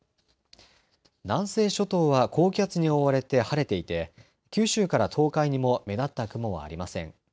南西諸島は高気圧に覆われて晴れていて九州から東海にも目立った雲はありません。